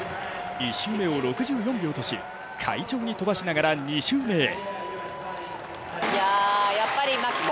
１周目を６４秒とし、快調に飛ばしながら２周目へ。